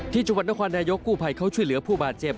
ที่จุภัณฑ์นครนายกกู้ไพรเขาช่วยเหลือผู้บาดเจ็บ